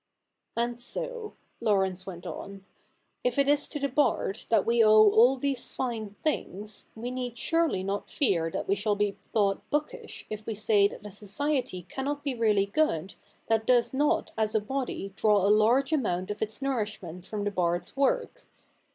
' And so," Laurence went on, ' if it is to the bard that we owe all these fine things, we need surely not fear that we shall be thought bookish if we say that a society cannot be really good that does not as a body draw a large amount of its nourishment from the bards work.